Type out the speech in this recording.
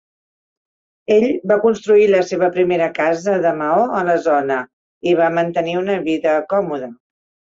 Ell va construir la seva primera casa de maó a la zona i va mantenir una vida còmoda.